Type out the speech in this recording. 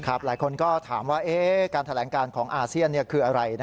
หลายคนก็ถามว่าการแถลงการของอาเซียนคืออะไร